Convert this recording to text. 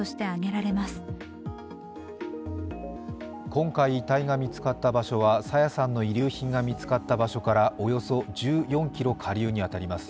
今回、遺体が見つかった場所は朝芽さんの遺留品が見つかった場所からおよそ１４ｋｍ下流に当たります。